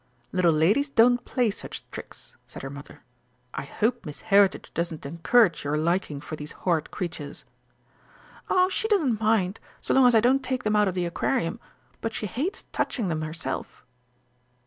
"Little ladies don't play such tricks," said her Mother. "I hope Miss Heritage doesn't encourage your liking for these horrid creatures?" "Oh, she doesn't mind, so long as I don't take them out of the aquarium, but she hates touching them herself."